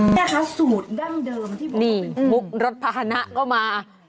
แม่คะสูตรดั้งเดิมที่บอกว่าเป็นนี่มุกรสพาหนะก็มา